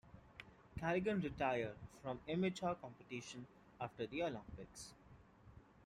Kerrigan retired from amateur competition after the Olympics.